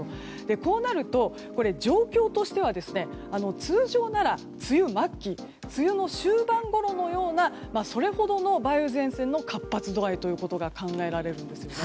こうなると、状況としては通常なら梅雨末期梅雨の終盤ごろのようなそれほどの梅雨前線の活発度合いということが考えられるんですね。